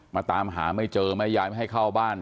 มาตามหาไม่เจอแม่ยายไม่ให้เข้าบ้าน